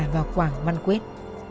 vào quảng văn quyết